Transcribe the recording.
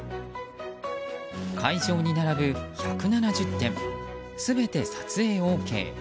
会場に並ぶ１７０点全て撮影ＯＫ。